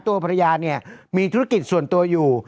ตัวภรรยาเนี่ยมีธุรกิจส่วนตัวอยู่